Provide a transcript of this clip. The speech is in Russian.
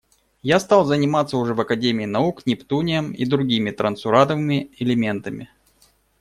Я стал заниматься уже в Академии наук нептунием и другими трансурановыми элементами.